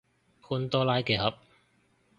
潘多拉嘅盒